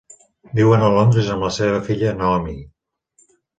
Viuen a Londres amb la seva filla Naomi.